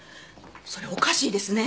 それおかしいですね。